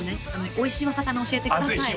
おいしいお魚を教えてくださいあっ